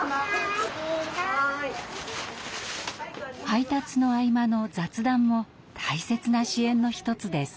配達の合間の雑談も大切な支援の一つです。